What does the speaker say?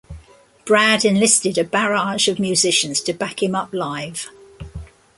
Brad enlisted a barrage of musicians to back him up live.